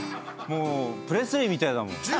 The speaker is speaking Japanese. もうプレスリーみたいだもん。